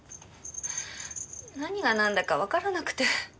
何がなんだかわからなくて。